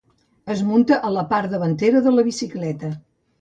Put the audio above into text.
Es munta a la part davantera de la bicicleta.